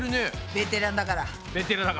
ベテランだからね。